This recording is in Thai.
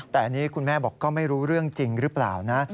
แต่อันนี้คุณแม่บอกก็ไม่รู้เรื่องจริงหรือเปล่านะ